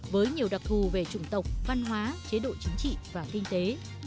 với nhiều đặc thù về chủng tộc văn hóa chế độ chính trị và kinh tế